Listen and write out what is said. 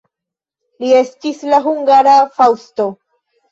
Li estis la hungara Faŭsto.